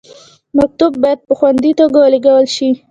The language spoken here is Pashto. مکتوب باید په خوندي توګه ولیږل شي.